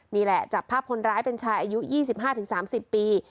นี่แหละจับภาพคนร้ายเป็นชายอายุ๒๕๓๐ปี